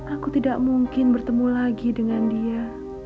aku tidak mungkin bertemu lagi dengan dia